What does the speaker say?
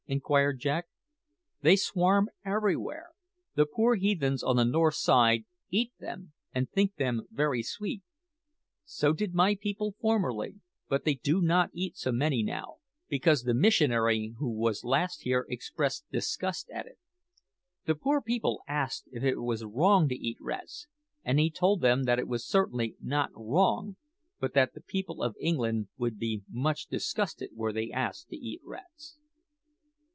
inquired Jack. "They swarm everywhere. The poor heathens on the north side eat them, and think them very sweet. So did my people formerly; but they do not eat so many now, because the missionary who was last here expressed disgust at it. The poor people asked if it was wrong to eat rats; and he told them that it was certainly not wrong, but that the people of England would be much disgusted were they asked to eat rats."